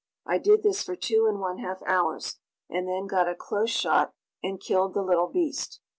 I did this for two and one half hours, and then got a close shot and killed the little beast.